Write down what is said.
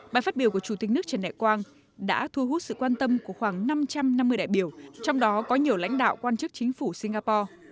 bài phát biểu của chủ tịch nước trần đại quang đã thu hút sự quan tâm của khoảng năm trăm năm mươi đại biểu trong đó có nhiều lãnh đạo quan chức chính phủ singapore